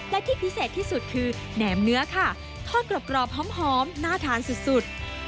และที่พิเศษที่สุดคือแหนมเนื้อค่ะทอดกรอบหอมน่าทานสุด